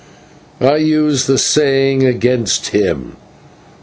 I use the saying against him.